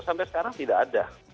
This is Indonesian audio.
sampai sekarang tidak ada